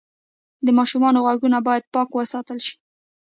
د ماشوم غوږونه باید پاک وساتل شي۔